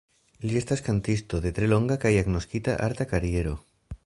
Li estas kantisto de tre longa kaj agnoskita arta kariero.